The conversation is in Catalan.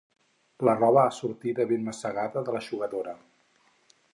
La roba ha sortida ben mastegada de l'eixugadora.